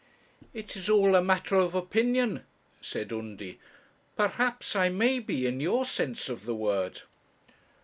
'It is all a matter of opinion,' said Undy. 'Perhaps I may be, in your sense of the word.'